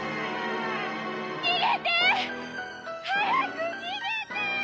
「逃げて！早く逃げて！」。